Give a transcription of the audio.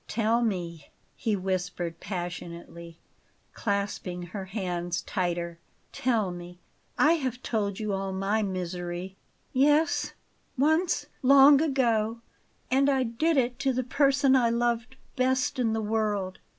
"Tell me!" he whispered passionately, clasping her hands tighter. "Tell me! I have told you all my misery." "Yes, once, long ago. And I did it to the person I loved best in the world."